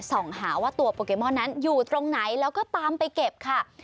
ส่องหาว่าตัวโปเกมอนนั้นอยู่ตรงไหนแล้วก็ตามไปเก็บค่ะ